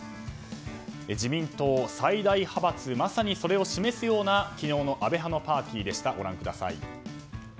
自民党最大派閥まさにそれを示すような昨日の安倍派のパーティーでした。